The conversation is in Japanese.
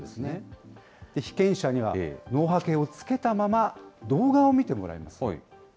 被験者には、脳波計を着けたまま、動画を見てもらいます。